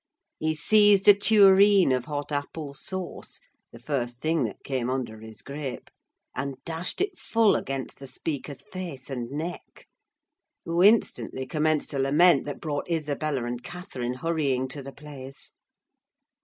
He seized a tureen of hot apple sauce, the first thing that came under his gripe, and dashed it full against the speaker's face and neck; who instantly commenced a lament that brought Isabella and Catherine hurrying to the place.